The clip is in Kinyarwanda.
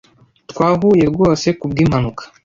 Twahuye rwose kubwimpanuka.